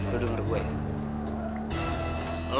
lu denger gue ya